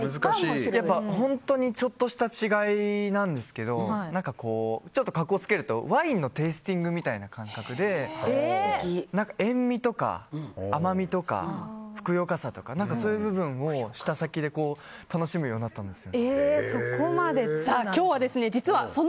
本当にちょっとした違いなんですけど格好つけるとワインのテイスティングみたいな感覚で塩みとか、甘みとかふくよかさとかそういう部分を舌先で楽しむようになったんです。